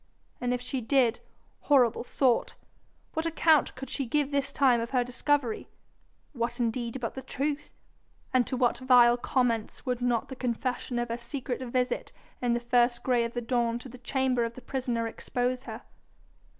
And if she did horrible thought! what account could she give this time of her discovery? What indeed but the truth? And to what vile comments would not the confession of her secret visit in the first grey of the dawn to the chamber of the prisoner expose her?